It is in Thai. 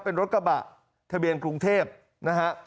เป็นรถกระบะทะเบียนกรุงเทพนะฮะ